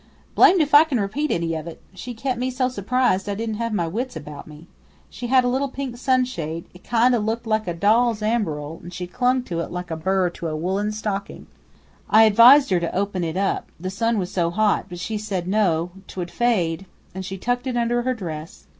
"Blamed if I can repeat any of it. She kep' me so surprised I didn't have my wits about me. She had a little pink sunshade it kind o' looked like a doll's amberill, 'n' she clung to it like a burr to a woolen stockin'. I advised her to open it up the sun was so hot; but she said no, 't would fade, an' she tucked it under her dress.